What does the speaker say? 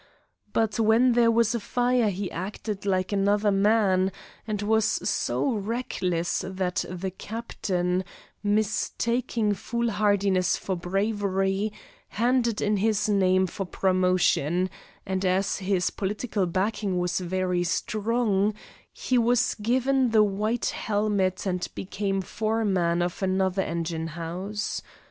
But when there was a fire he acted like another man, and was so reckless that the captain, mistaking foolhardiness for bravery, handed in his name for promotion, and as his political backing was very strong, he was given the white helmet and became foreman of another engine house.